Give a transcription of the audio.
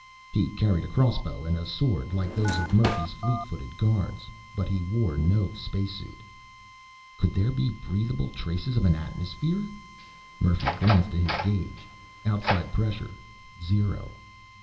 He carried a crossbow and a sword, like those of Murphy's fleet footed guards. But he wore no space suit. Could there be breathable traces of an atmosphere? Murphy glanced at his gauge. Outside pressure: zero.